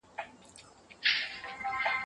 مشاورینو به د رایې ورکولو حق تضمین کړی وي.